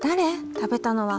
食べたのは！